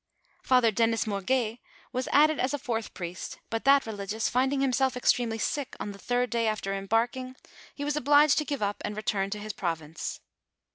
Father Dennis Morguet was added as a fourth priest; but that religious finding himself extreme ly sick on the third day after embarking, he was obliged to give up and return to his province.